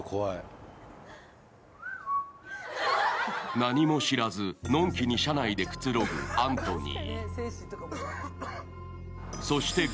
何も知らず、のんきに車内でくつろぐアントニー。